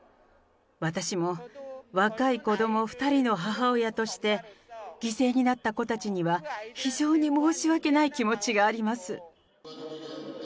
私も若い子ども２人の母親として、犠牲になった子たちには非常に申し訳ない気持ちがあります。